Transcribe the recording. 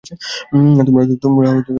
তোমরা পালিয়ে গিয়েছিলে।